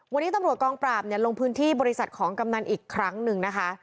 วันนี้ตำรวจกองปราบเนี่ยลงพื้นที่บริษัทของกำนันอีกครั้งหนึ่งนะคะ